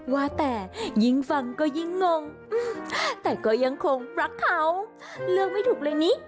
ว่าแต่ยิ่งฟังก็ยิ่งงงแต่ก็ยังคงรักเขาเลือกไม่ถูกเลยนี้